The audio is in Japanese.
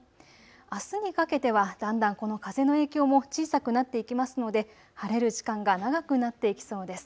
あすにかけてはだんだんこの風の影響も小さくなっていきますので晴れる時間が長くなっていきそうです。